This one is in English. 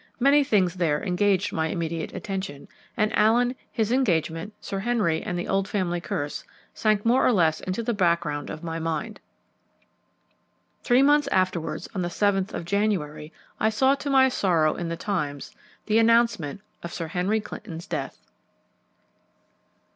Many things there engaged my immediate attention, and Allen, his engagement, Sir Henry, and the old family curse, sank more or less into the background of my mind. Three months afterwards, on the 7th of January, I saw to my sorrow in the Times the announcement of Sir Henry Clinton's death.